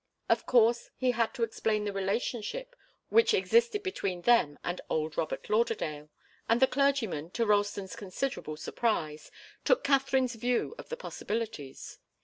Of course, he had to explain the relationship which existed between them and old Robert Lauderdale, and the clergyman, to Ralston's considerable surprise, took Katharine's view of the possibilities.